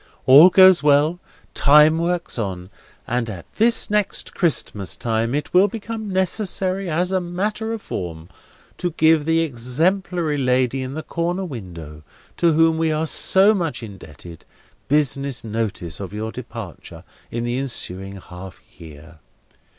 All goes well, time works on, and at this next Christmas time it will become necessary, as a matter of form, to give the exemplary lady in the corner window, to whom we are so much indebted, business notice of your departure in the ensuing half year.